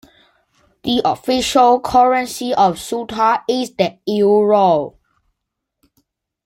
The official currency of Ceuta is the euro.